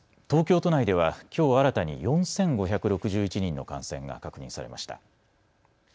東京都内では、きょう新たに４５６１人の感染が確認されました。